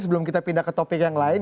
sebelum kita pindah ke topik yang lain